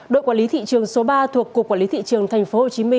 đội quản lý thị trường số ba thuộc cục quản lý thị trường tp hcm